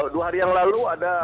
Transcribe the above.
dua hari yang lalu ada